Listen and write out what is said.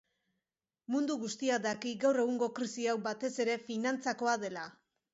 Mundu guztiak daki gaur egungo krisi hau batez ere finantzakoa dela.